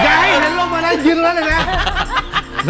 อย่าให้เห็นลงมาแล้วยืนตรงนั้นเลยนะ